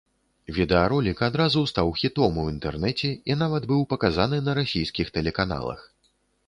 Відэаролік адразу стаў хітом у інтэрнэце і нават быў паказаны на расійскіх тэлеканалах.